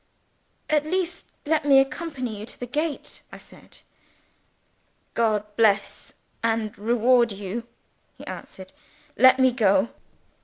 "At least, let me accompany you to the gate," I said. "God bless and reward you!" he answered. "Let me go."